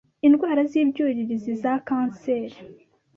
indwara z’ibyuririzi za canseri